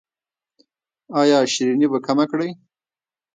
ایا شیریني به کمه کړئ؟